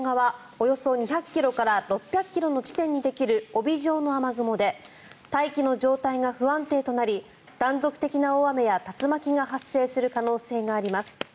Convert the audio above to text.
およそ２００ｋｍから６００ｋｍの地点にできる帯状の雨雲で大気の状態が不安定となり断続的な大雨や竜巻が発生する可能性があります。